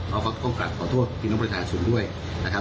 เขาก็กลับขอโทษพี่น้องประชาชุมด้วยนะครับ